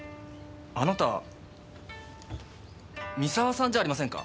あなた三沢さんじゃありませんか